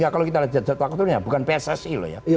kalau kita lihat jadja taktun ya bukan pssi loh ya